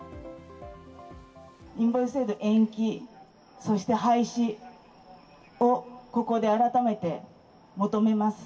インボイス制度、延期、そして廃止を、ここで改めて求めます。